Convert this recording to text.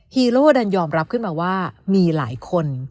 ฮีโร่ดันยอมรับขึ้นมาว่ามีหลายคน